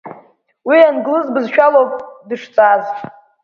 Уи англыз бызшәалоуп дышҵааз.